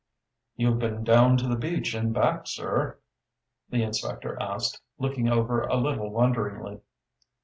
"You've been down to the beach and back, sir?" the inspector asked, looking over a little wonderingly.